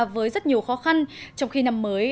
với rất nhiều khó khăn trong khi năm mới